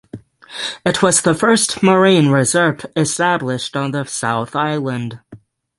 It was the first marine reserve established on the South Island.